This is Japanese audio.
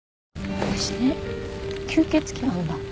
私ね吸血鬼なんだ。